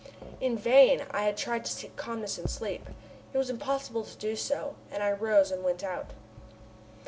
In vain I had tried to seek calmness in sleep. It was impossible to do so, and I rose and went out.